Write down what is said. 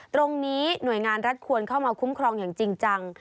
หน่วยงานรัฐควรเข้ามาคุ้มครองอย่างจริงจัง